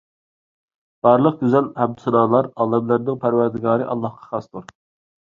بارلىق گۈزەل ھەمدۇسانالار ئالەملەرنىڭ پەرۋەردىگارى ئاللاھقا خاستۇر